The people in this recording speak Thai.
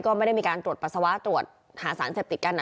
ก็ไม่ได้มีการตรวจปัสสาวะตรวจหาสารเสพติดกัน